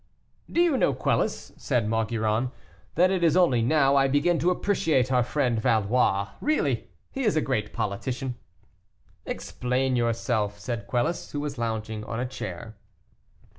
"Do you know, Quelus," said Maugiron, "that it is only now I begin to appreciate our friend Valois; really he is a great politician." "Explain yourself," said Quelus, who was lounging on a chair.